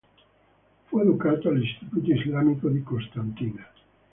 Fu educato all'Istituto Islamico di Costantina.